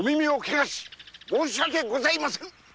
申し訳もございませぬ。